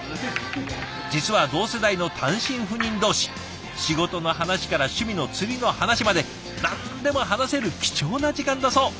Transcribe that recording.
実は同世代の単身赴任同士仕事の話から趣味の釣りの話まで何でも話せる貴重な時間だそう。